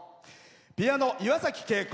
ピアノ、岩崎恵子。